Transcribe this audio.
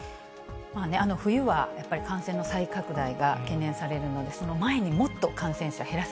冬はやっぱり感染の再拡大が懸念されるので、その前に、もっと感染者減らさ